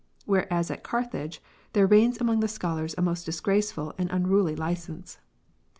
Whereas at Carthage, there reigns among the scholars a most disgraceful and unruly licence.